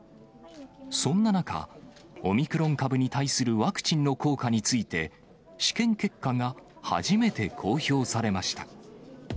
そんな中、オミクロン株に対するワクチンの効果について、試験結果が初めて公表されました。